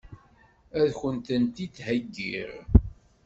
Ad kent-tent-id-heggiɣ?